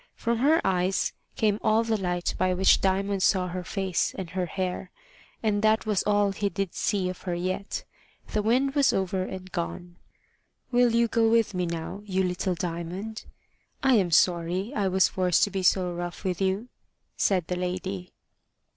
From her eyes came all the light by which Diamond saw her face and her hair; and that was all he did see of her yet. The wind was over and gone. "Will you go with me now, you little Diamond? I am sorry I was forced to be so rough with you," said the lady.